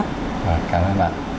cảm ơn bạn